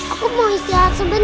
aku mau istirahat sebentar